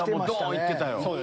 行ってたよ。